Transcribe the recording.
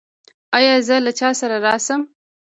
ایا زه له چا سره راشم؟